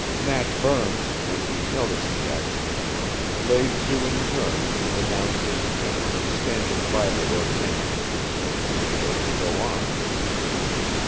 Nat Burns, when he noticed the accident, laid to in turn and announced his intention of standing by the Rosan until she was ready to go on.